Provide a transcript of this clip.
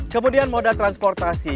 kemudian moda transportasi